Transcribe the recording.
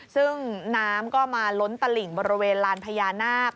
ซึ่งน้ำก็มาล้นตลิ่งบริเวณลานพญานาค